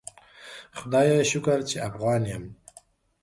خدایه شکر چی افغان یم